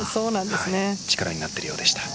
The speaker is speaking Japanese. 力になっているようでした。